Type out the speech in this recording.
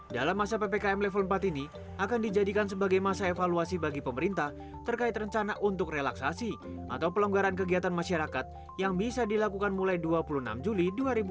dalam masa ppkm level empat ini akan dijadikan sebagai masa evaluasi bagi pemerintah terkait rencana untuk relaksasi atau pelonggaran kegiatan masyarakat yang bisa dilakukan mulai dua puluh enam juli dua ribu dua puluh